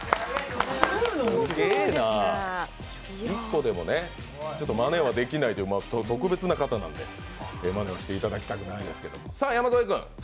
１個でもね、ちょっとまねはできないという、特別な方なのでまねをしていただきたくないですけど。